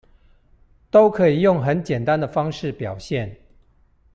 都可以用很簡單的方式表現